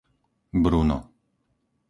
Bruno